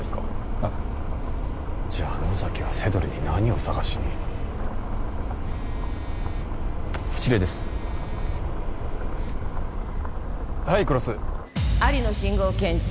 ああじゃあ野崎はセドルに何をさがしに司令ですはい黒須アリの信号を検知